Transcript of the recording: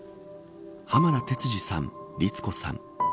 浜田哲二さん、律子さん。